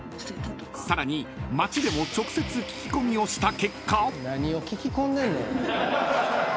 ［さらに街でも直接聞き込みをした結果］